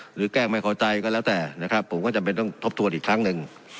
แกล้งไม่เข้าใจก็แล้วแต่นะครับผมก็จำเป็นต้องทบทวนอีกครั้งหนึ่ง